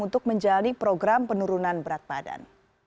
untuk menjalani program penurunan berat badan